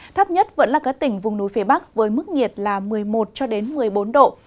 thấp nhất vẫn là các tỉnh vùng núi phía bắc với mức nhiệt là một mươi một cho đến một mươi bốn độ